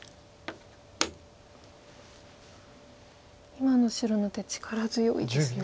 今の白の手力強いですね。